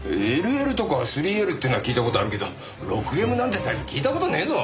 ＬＬとか３Ｌってのは聞いた事あるけど６Ｍなんてサイズ聞いた事ねえぞ。